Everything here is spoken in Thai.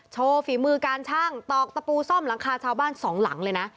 ฝีมือการชั่งตอกตะปูซ่อมหลังคาชาวบ้านสองหลังเลยนะ